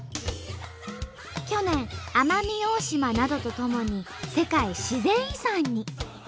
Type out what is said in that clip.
去年奄美大島などとともに世界自然遺産に。